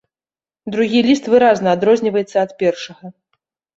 Другі ліст выразна адрозніваецца ад першага.